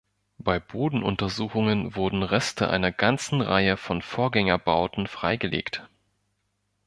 Bei Bodenuntersuchungen wurden Reste einer ganzen Reihe von Vorgängerbauten freigelegt.